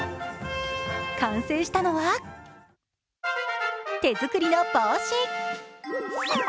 完成したのは手作りの帽子。